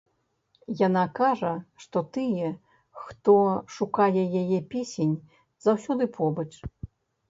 Яна кажа, што тыя, хто шукае яе песень, заўсёды побач.